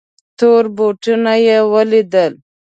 تور بوټونه یې ولیدل.